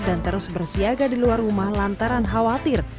dan terus bersiaga di luar rumah lantaran khawatir